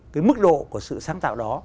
cái mức độ của sự sáng tạo đó